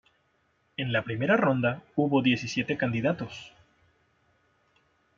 En la primera ronda hubo diecisiete candidatos.